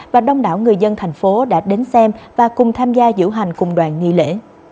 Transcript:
và đông đảo người dân thành phố đã đến xem và cùng tham gia diễu hành cùng đoàn nghi lễ